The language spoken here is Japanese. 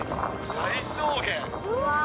大草原！